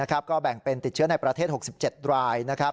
ก็แบ่งเป็นติดเชื้อในประเทศ๖๗ราย